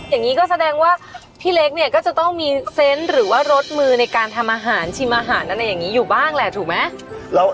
อย่างนี้ก็แสดงว่าพี่เล็กเนี่ยก็จะต้องมีเซนต์หรือว่ารสมือในการทำอาหารชิมอาหารอะไรอย่างนี้อยู่บ้างแหละถูกไหม